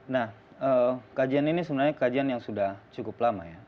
nah kajian ini sebenarnya kajian yang sudah cukup lama ya